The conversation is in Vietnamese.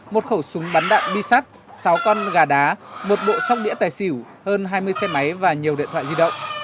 một khẩu súng bắn đạn bi sắt sáu con gà đá một bộ sóc đĩa tài xỉu hơn hai mươi xe máy và nhiều điện thoại di động